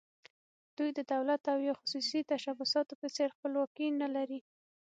دوی د دولت او یا خصوصي تشبثاتو په څېر خپلواکي نه لري.